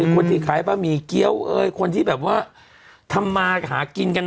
คนที่ขายบะหมี่เกี้ยวคนที่แบบว่าทำมาหากินกันนะ